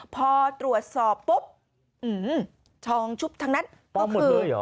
พอตรวจสอบปุ๊บอือหือชองชุบทั้งนั้นเพราะคือ